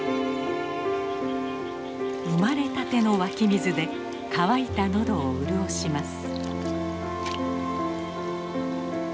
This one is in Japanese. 生まれたての湧き水で渇いた喉を潤します。